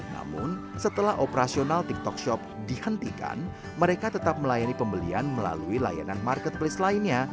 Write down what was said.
namun setelah operasional tiktok shop dihentikan mereka tetap melayani pembelian melalui layanan marketplace lainnya